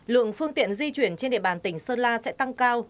lượng phương tiện di chuyển trên địa bàn tỉnh sơn la sẽ tăng cao